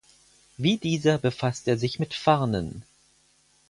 Wie dieser befasste er sich mit Farnen.